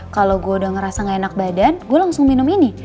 kalau gue udah ngerasa gak enak badan gue langsung minum ini